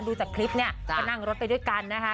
ดูจากคลิปเนี่ยก็นั่งรถไปด้วยกันนะคะ